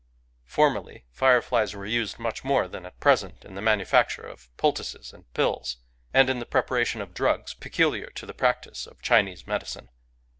Formerly fireflies were used much more than at present in the manufacture of poultices and pills, and in the preparation of drugs peculiar to the practice of Chinese medicine.